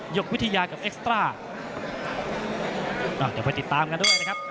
กวิทยากับเอ็กซ์ตราอ้าวเดี๋ยวไปติดตามกันด้วยนะครับ